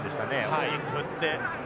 大きく振って。